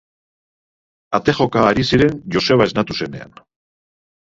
Ate joka ari ziren Joseba esnatu zenean.